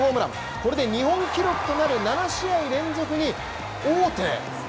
これで日本記録となる７試合連続に王手。